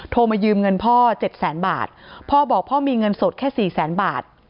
มายืมเงินพ่อเจ็ดแสนบาทพ่อบอกพ่อมีเงินสดแค่สี่แสนบาท